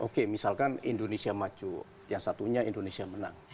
oke misalkan indonesia maju yang satunya indonesia menang